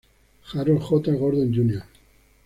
Harold J. Gordon Jr.